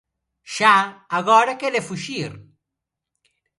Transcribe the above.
Xa, agora quere fuxir.